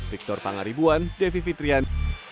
diktor pangaribuan devi fitrian